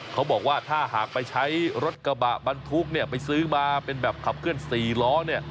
เขาบอกว่าถ้าหากไปใช้รถกระบะบรรทุกเนี่ยไปซื้อมาเป็นแบบขับเคลื่อน๔ล้อเนี่ย